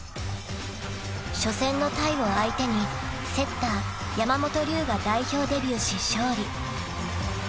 ［初戦のタイを相手にセッター山本龍が代表デビューし勝利］